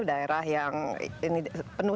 daerah yang penuh